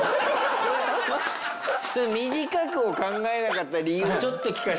「短く」を考えなかった理由をちょっと聞かせてもらって。